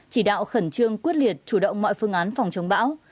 chỉ đạo khẩn trương quyết liệt chủ động mọi phương án phòng chống bão